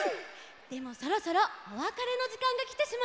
でもそろそろおわかれのじかんがきてしまいました。